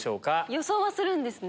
予想はするんですね。